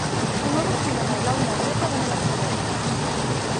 El nou d'octubre na Blau i na Greta van a la Floresta.